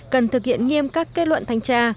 cần thực hiện nghiêm các kết luận thành tra